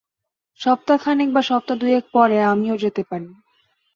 সপ্তাহখানেক বা সপ্তাহ-দুয়েক পরে আমিও যেতে পারি।